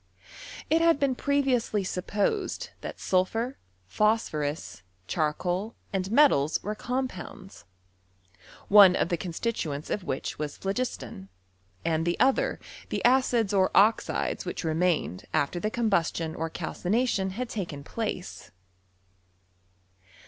It had been previously supposed that t&lphur, phosphorus, charcoal, and metals, were compounds; one of the constituents of which was plilogistDn, and the other the acids or oxides which vemamed aiter the combustion or calcination had tdoen place.